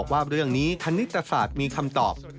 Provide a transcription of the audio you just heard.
ว่าเรื่องนี้คณิตศาสตร์มีคำตอบ